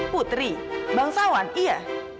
putri bangsawan iya